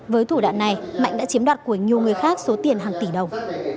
với thủ đạn này mạnh đã chiếm đặt của nhiều người khác số tiền hàng tỷ đồng